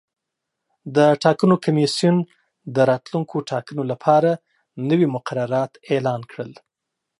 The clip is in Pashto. د ټاکنو کمیسیون د راتلونکو ټاکنو لپاره نوي مقررات اعلان کړل.